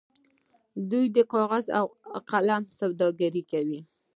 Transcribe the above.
دوی د کاغذ او قلم سوداګري کوي.